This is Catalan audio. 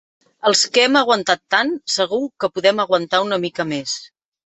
Els que hem aguantat tant, segur que podem aguantar una mica més.